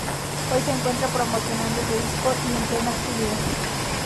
Hoy se encuentran promocionando ese disco y en plena actividad.